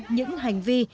những hành vi